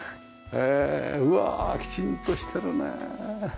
へえうわあきちんとしてるね。